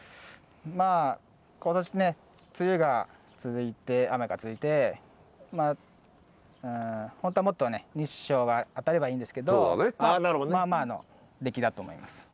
まあ今年ね梅雨が続いて雨が続いてホントはもっとね日照が当たればいいんですけどまあまあの出来だと思います。